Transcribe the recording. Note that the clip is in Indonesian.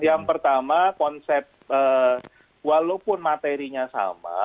yang pertama konsep walaupun materinya sama